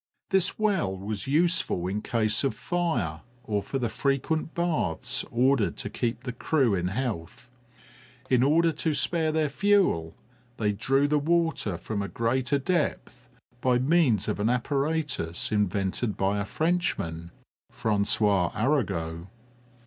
This well was useful in case of fire or for the frequent baths ordered to keep the crew in health. In order to spare their fuel, they drew the water from a greater depth by means of an apparatus invented by a Frenchman, Francois Arago.